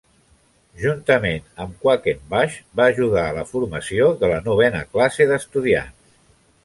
Juntament amb Quackenbush, va ajudar la formació de la novena classe d'estudiants.